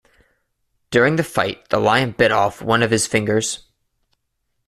During the fight the lion bit off one of his fingers.